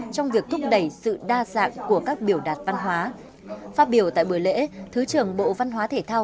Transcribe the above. trong việc thúc đẩy sự đa dạng của các biểu đạt văn hóa phát biểu tại buổi lễ thứ trưởng bộ văn hóa thể thao